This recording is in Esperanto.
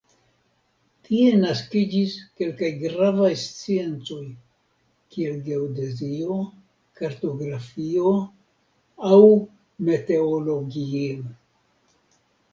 Tie naskiĝis kelkaj gravaj sciencoj kiel geodezio, kartografio aŭ meteologio.